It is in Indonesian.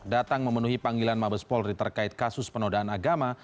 datang memenuhi panggilan mabes polri terkait kasus penodaan agama